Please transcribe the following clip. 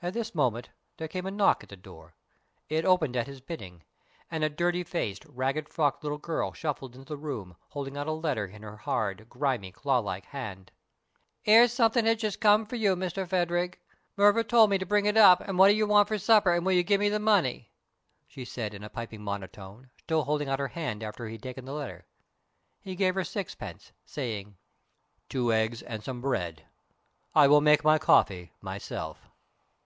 At this moment there came a knock at the door. It opened at his bidding, and a dirty faced, ragged frocked little girl shuffled into the room holding out a letter in her hard, grimy, claw like hand. "'Ere's somethin' as has just come for you, Mister Phadrig. Muvver told me ter bring it up, and wot'll yer want for supper, and will yer give me the money?" she said in a piping monotone, still holding out her hand after he had taken the letter. He gave her sixpence, saying: "Two eggs and some bread. I will make my coffee myself."